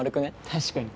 確かに。